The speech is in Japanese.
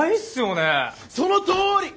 そのとおり！